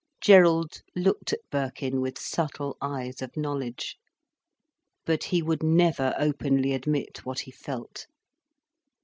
Gerald looked at Birkin with subtle eyes of knowledge. But he would never openly admit what he felt.